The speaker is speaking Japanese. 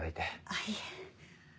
あっいえ。